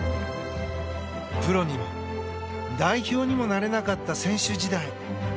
プロにも代表にもなれなかった選手時代。